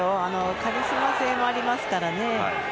カリスマ性もありますからね。